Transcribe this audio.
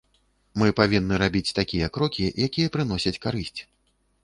Мы павінны рабіць такія крокі, якія прыносяць карысць.